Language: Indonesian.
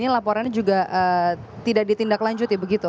ini laporannya juga tidak ditindaklanjuti begitu